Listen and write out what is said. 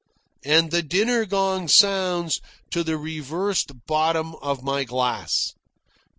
And the dinner gong sounds to the reversed bottom of my glass.